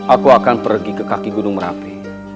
aku akan pergi ke kaki gunung merapi